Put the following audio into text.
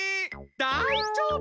だいじょうぶ。